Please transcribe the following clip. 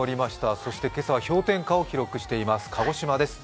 そして今朝は氷点下を記録しています、鹿児島です。